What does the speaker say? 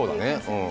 うん。